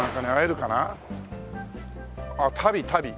ああ足袋足袋。